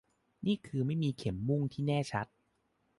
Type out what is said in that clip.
นี่คือไม่มีเข็มมุ่งที่แน่ชัด